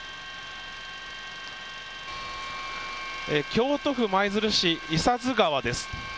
京都府舞鶴市、伊佐津川です。